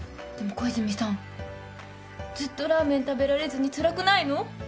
でも小泉さんずっとラーメン食べられずにつらくないの？